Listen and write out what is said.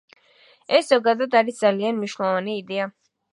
ეს ზოგადად არის ძალიან მნიშვნელოვანი იდეა.